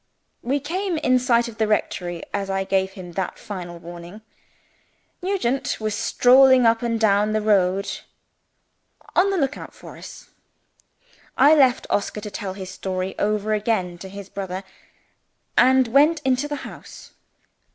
We came in sight of the rectory as I gave him that final warning. Nugent was strolling up and down the road on the look out for us. I left Oscar to tell his story over again to his brother, and went into the house.